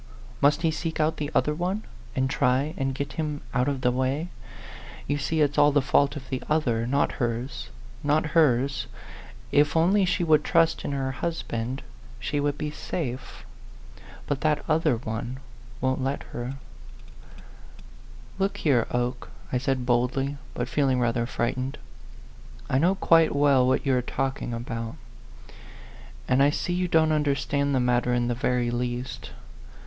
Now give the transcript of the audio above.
Must he seek out the other one, and try and get him out of the way ? You see it's all the fault of the other not hers, not hers. If only she would trust in her husband, she would be safe. But that other one won't let her." A PHANTOM LOVER. 123 " Look here, Oke," I said boldly, but feel ing rather frightened; "I know quite well what you are talking about. And I see you don't understand the matter in the very least.